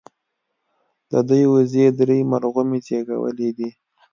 د دوي وزې درې مرغومي زيږولي دي